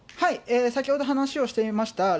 先ほど話をしていました